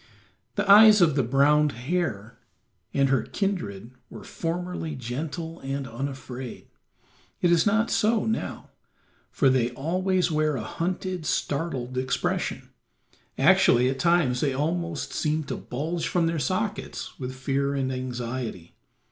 The eyes of the brown hare and her kindred were formerly gentle and unafraid. It is not so now, for they always wear a hunted, startled expression; actually at times they almost seem to bulge from their sockets with fear and anxiety.